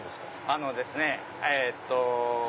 あのですねえっと。